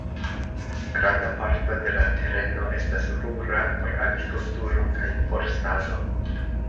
Granda parto de la tereno estas rura, por agrikulturo kaj forstado.